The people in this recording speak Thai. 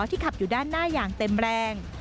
ขับอยู่ด้านหน้าอย่างเต็มแรง